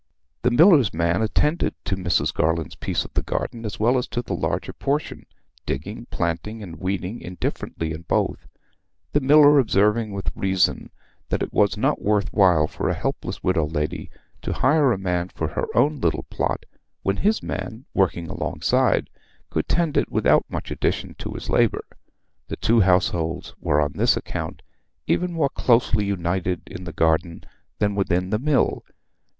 The miller's man attended to Mrs. Garland's piece of the garden as well as to the larger portion, digging, planting, and weeding indifferently in both, the miller observing with reason that it was not worth while for a helpless widow lady to hire a man for her little plot when his man, working alongside, could tend it without much addition to his labour. The two households were on this account even more closely united in the garden than within the mill.